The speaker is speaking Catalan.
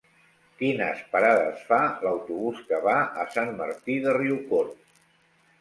Quines parades fa l'autobús que va a Sant Martí de Riucorb?